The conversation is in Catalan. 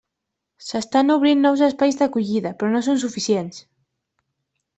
S'estan obrint nous espais d'acollida, però no són suficients.